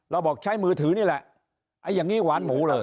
บอกใช้มือถือนี่แหละไอ้อย่างนี้หวานหมูเลย